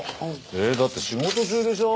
えっ？だって仕事中でしょ。